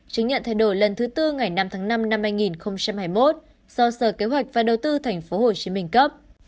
chứng nhận thay đổi lần thứ tư ngày năm tháng năm năm hai nghìn hai mươi một do sở kế hoạch và đầu tư tp hcm cấp